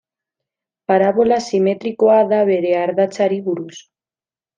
Parabola simetrikoa da bere ardatzari buruz.